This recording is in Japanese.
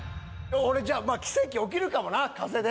俺じゃあ奇跡起きるかもな風で。